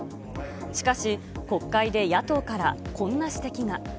しかし、国会で野党から、こんな指摘が。